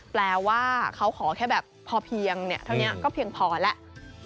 แปลว่าเขาขอแค่แบบพอเพียงเท่านี้ก็เพียงพอแล้ว